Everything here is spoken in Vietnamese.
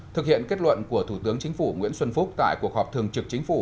thực hiện kết luận của thủ tướng chính phủ nguyễn xuân phúc tại cuộc họp thường trực chính phủ